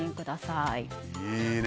いいね！